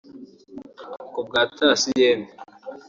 Kubwa Thacien